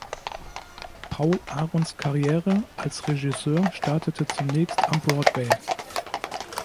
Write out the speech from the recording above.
Paul Aarons Karriere als Regisseur startete zunächst am Broadway.